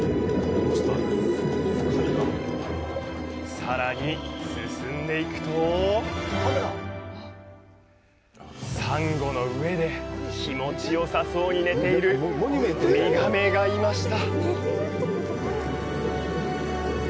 さらに進んで行くとサンゴの上で気持ちよさそうに寝ているウミガメがいました！